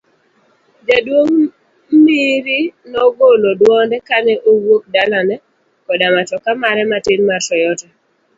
Jaduong' Miri nogolo dwonde kane owuok dalane koda matoka mare matin mar Toyota.